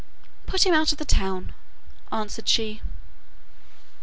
'Put him out of the town,' answered she.